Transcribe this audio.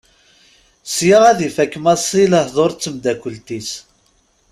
Sya ad ifak Massi lehdur d temddakelt-is.